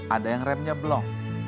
ada yang remnya blok